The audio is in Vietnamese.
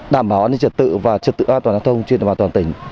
đảm bảo an ninh trật tự và trật tự an toàn giao thông trên toàn tỉnh